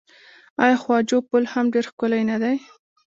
آیا خواجو پل هم ډیر ښکلی نه دی؟